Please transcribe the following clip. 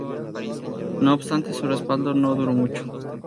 No obstante, su respaldo no duró mucho.